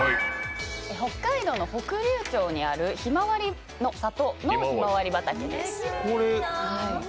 北海道の北竜町にあるひまわりの里のひまわり畑です。